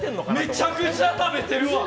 めちゃくちゃ食べてるわ！